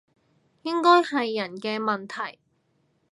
應該係人嘅問題